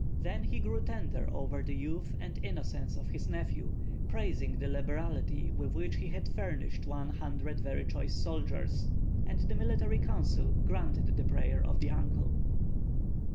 Then he grew tender over the youth and innocence of his nephew, praising the liberality with which he had furnished one hundred very choice soldiers; and the military council granted the prayer of the uncle.